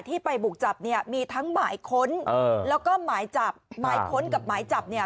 ที่ไปบุกจับเนี่ยมีทั้งหมายค้นแล้วก็หมายจับหมายค้นกับหมายจับเนี่ย